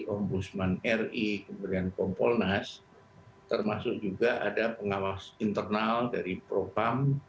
ombudsman ri kemudian kompolnas termasuk juga ada pengawas internal dari propam